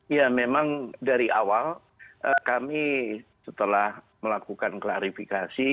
ya memang dari awal kami setelah melakukan klarifikasi